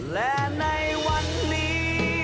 และในวันนี้